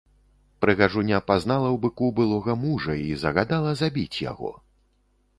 Прыгажуня пазнала ў быку былога мужа і загадала забіць яго.